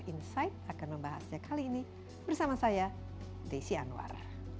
insight akan membahasnya kali ini bersama saya desi anwar